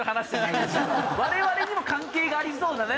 我々にも関係がありそうなね